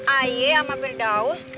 aji sama berdaus